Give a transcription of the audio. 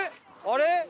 あれ？